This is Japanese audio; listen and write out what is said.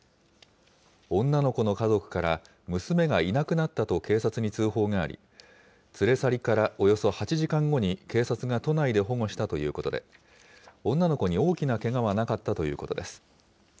女の子の家族から、娘がいなくなったと警察に通報があり、連れ去りからおよそ８時間後に警察が都内で保護したということで、女の子に大きなけがはなかったということです。